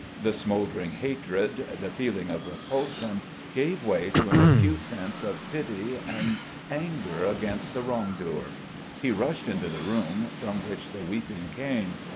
The smouldering hatred, the feeling of repulsion, gave way to an acute sense of pity and anger against the wrong doer. He rushed into the room from which the weeping came.